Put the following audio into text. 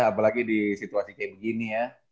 apalagi di situasi kayak begini ya